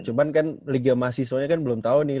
cuman kan liga mahasiswanya kan belum tau nih